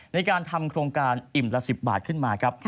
ในการทำโครงการอิ่มละ๑๐บาทขึ้นมาครับ